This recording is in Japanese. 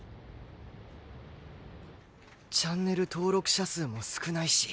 チャンネル登録者数も少ないし